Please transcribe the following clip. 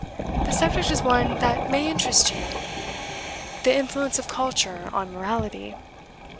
The subject is one that may interest you, "The Influence of Culture on Morality."